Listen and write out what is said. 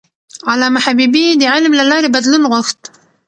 علامه حبيبي د علم له لارې بدلون غوښت.